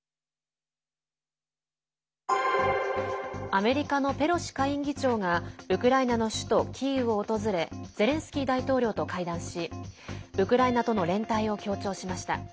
アメリカのペロシ下院議長がウクライナの首都キーウを訪れゼレンスキー大統領と会談しウクライナとの連帯を強調しました。